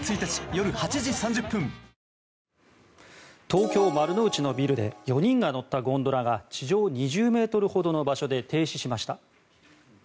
東京・丸の内のビルで４人が乗ったゴンドラが地上２０ｍほどの場所で停止しました。